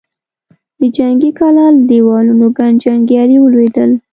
د جنګي کلا له دېوالونو ګڼ جنګيالي ولوېدل.